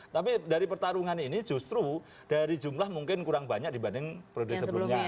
tapi dari pertarungan ini justru dari jumlah mungkin kurang banyak dibanding periode sebelumnya